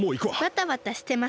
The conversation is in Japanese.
バタバタしてますね。